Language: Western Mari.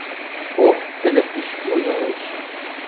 О, тӹдӹ пиш йой ылеш.